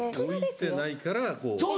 置いてないからこう。